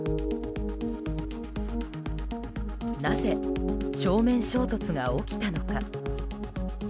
なぜ正面衝突が起きたのか。